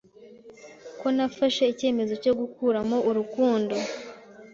Ko nafashe icyemezo cyo gukuramo urukundo